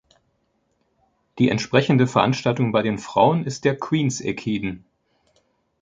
Die entsprechende Veranstaltung bei den Frauen ist der Queen’s Ekiden.